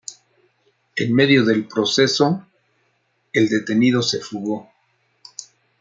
En medio del proceso, el detenido se fugó.